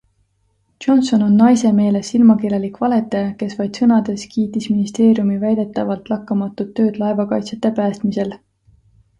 Johnson on naise meelest silmakirjalik valetaja, kes vaid sõnades kiitis ministeeriumi väidetavalt lakkamatut tööd laevakaitsjate päästmisel.